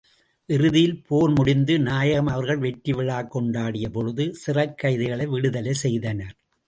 இறுதியில் போர் முடிந்து, நாயகம் அவர்கள் வெற்றி விழாக் கொண்டாடிய பொழுது சிறைக் கைதிகளை விடுதலை செய்தனர்.